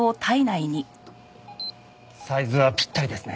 サイズはぴったりですね。